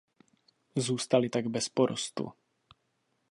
Zůstaly tak bez porostu.